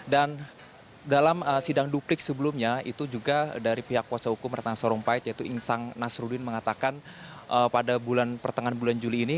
dan dalam sidang duplik sebelumnya itu juga dari pihak kuasa hukum ratang sarumpait yaitu insang nasruddin mengatakan pada pertengahan bulan juli ini